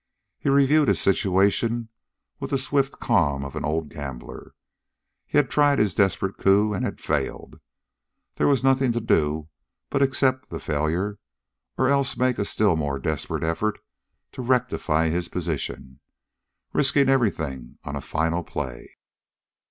He reviewed his situation with the swift calm of an old gambler. He had tried his desperate coup and had failed. There was nothing to do but accept the failure, or else make a still more desperate effort to rectify his position, risking everything on a final play.